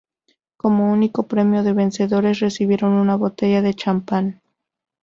Como único premio los vencedores recibieron una botella de champán.